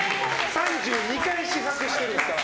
３２回試作してるんですから。